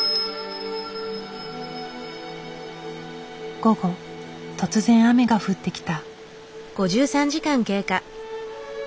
午後突然雨が降ってきた。